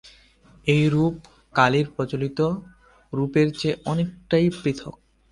এই রূপ কালীর প্রচলিত রূপের চেয়ে অনেকটাই পৃথক।